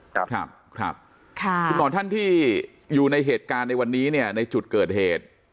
ครับครับคุณหมอท่านที่อยู่ในเหตุการณ์ในวันนี้เนี่ยในจุดเกิดเหตุ